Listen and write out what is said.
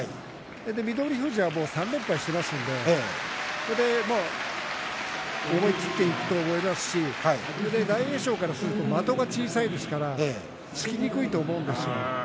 翠富士はもう３連敗していますから思い切りいくと思いますし大栄翔からすると的が小さいですから突きにくいと思うんですね。